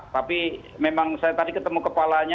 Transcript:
tapi memang saya tadi ketemu kepalanya